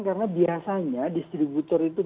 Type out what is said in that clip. karena biasanya distributor itu